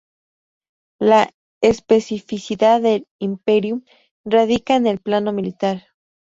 La especificidad del "imperium" radica en el plano militar.